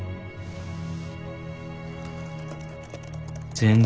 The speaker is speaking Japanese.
全然。